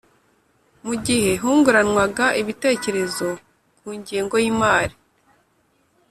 mu gihe hunguranwaga ibitekerezo ku ngengo y'imari,